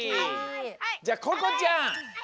じゃあここちゃん。